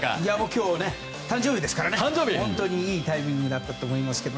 今日、誕生日ですから本当にいいタイミングだったと思いますけど。